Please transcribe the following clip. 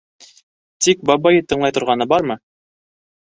Тик бабайы тыңлай торғаны бармы?